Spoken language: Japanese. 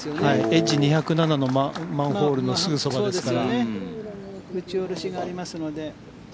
エッジ２０７ヤードのマンホールのすぐそばですから打ち下ろしがありますので。